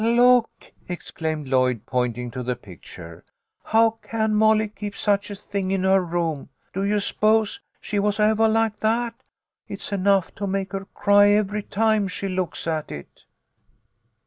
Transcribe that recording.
" Look !" exclaimed Lloyd, pointing to the pic ture. " How can Molly keep such a thing in her room ? Do you s'pose she was evah like that ? It's enough to make her cry every time she looks at it."